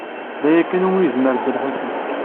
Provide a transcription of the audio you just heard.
D aya kan umi yezmer Dda Lḥusin.